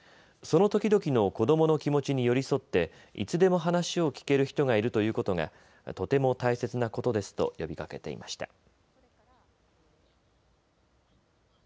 その時々の子どもの気持ちに寄り添っていつでも話を聞ける人がいるということがとても大切なことですと呼びかけていました。